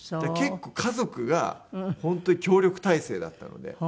結構家族が本当に協力態勢だったので。